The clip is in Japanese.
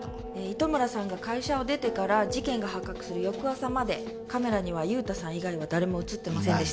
糸村さんが会社を出てから事件が発覚する翌朝までカメラには雄太さん以外は誰もいないんだな